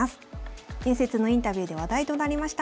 伝説のインタビューで話題となりました